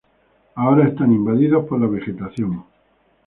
Ahora están invadidos por la vegetación.